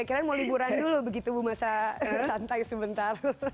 akhirnya mau liburan dulu begitu bu masa santai sebentar